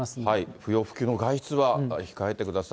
不要不急の外出は控えてください。